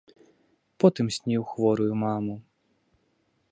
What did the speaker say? Потым сніў хворую маму.